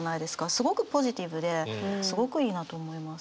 すごくポジティブですごくいいなと思います。